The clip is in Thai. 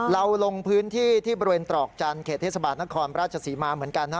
ลงพื้นที่ที่บริเวณตรอกจันทร์เขตเทศบาลนครราชศรีมาเหมือนกันนะ